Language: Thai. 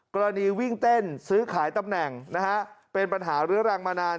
กรณีวิ่งเต้นซื้อขายตำแหน่งนะฮะเป็นปัญหาเรื้อรังมานาน